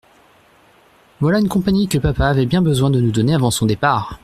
Voilà une compagnie que papa avait bien besoin de nous donner avant son départ !